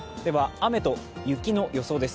雨と雪の予想です。